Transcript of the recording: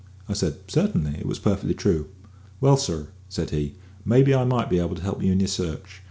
I said, "Certainly; it was perfectly true." "Well, sir," said he, "maybe I might be able to help you in your search.